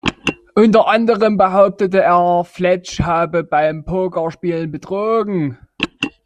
Unter anderem behauptet er, Fletch habe beim Pokerspiel betrogen.